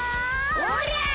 おりゃあ！